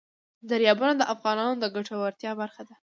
دریابونه د افغانانو د ګټورتیا برخه ده.